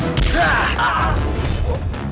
dikasih kesempatan bertobat